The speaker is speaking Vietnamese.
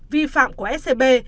vi phạm của scb